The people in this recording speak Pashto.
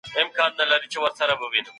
د علم خپرول صدقه ده.